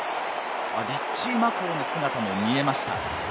リッチー・マコウの姿が見えました。